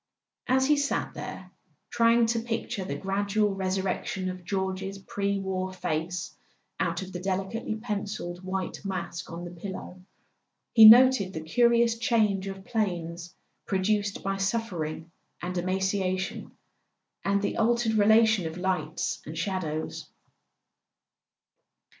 As he sat there, trying to picture the gradual resurrection of George's pre war face out of the delicately pencilled white mask on the pillow, he noted the curious change of planes produced by suffering and emaciation, and the altered relation of lights and shadows.